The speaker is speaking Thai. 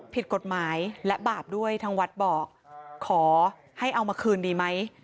ผิดกฎหมายและบาปด้วยทางวัดบอกขอให้เอามาคืนดีไหม